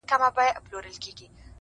له وړو لویو مرغانو له تنزرو -